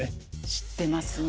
知ってますね。